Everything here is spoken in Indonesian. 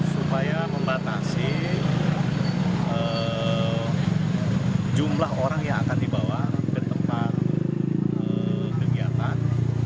supaya membatasi jumlah orang yang akan dibawa ke tempat kegiatan